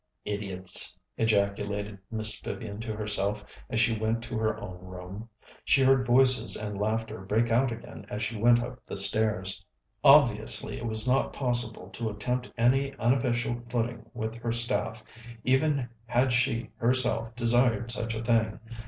"Idiots!" ejaculated Miss Vivian to herself as she went to her own room. She heard voices and laughter break out again as she went up the stairs. Obviously it was not possible to attempt any unofficial footing with her staff, even had she herself desired such a thing.